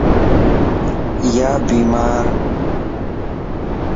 ايا بيمارَ